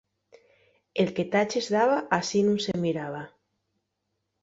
El que taches daba, a sí nun se miraba.